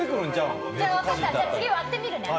じゃあ、次割ってみるね。